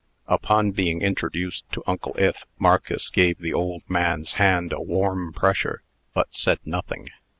Upon being introduced to Uncle Ith, Marcus gave the old man's hand a warm pressure, but said nothing.